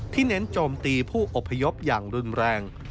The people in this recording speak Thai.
เน้นโจมตีผู้อพยพอย่างรุนแรง